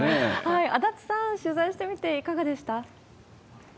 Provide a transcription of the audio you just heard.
足立さん、取材してみていかがでした？